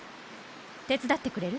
手伝ってくれる？